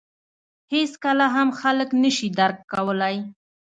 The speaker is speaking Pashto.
• هېڅکله هم خلک نهشي درک کولای.